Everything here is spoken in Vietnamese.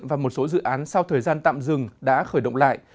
và một số dự án sau thời gian tạm dừng đã khởi động lại